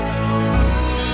sampai jumpa lagi